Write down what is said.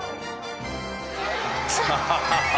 ハハハハ！